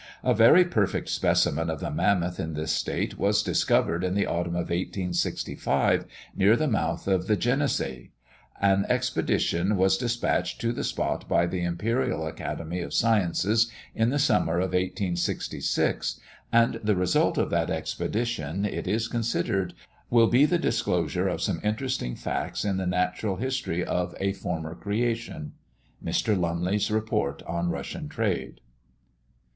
A very perfect specimen of the Mammoth in this state was discovered in the autumn of 1865, near the mouth of the Jenissei; an expedition was despatched to the spot by the Imperial Academy of Sciences in the summer of 1866, and the result of that expedition, it is considered, will be the disclosure of some interesting facts in the natural history of a former creation. _Mr. Lumley's Report on Russian Trade.